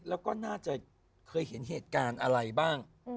แล้วก็น่าจะเคยเห็นเหตุการณ์อะไรบ้าง